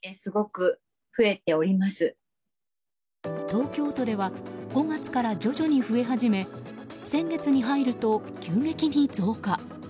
東京都では５月から徐々に増え始め先月に入ると、急激に増加。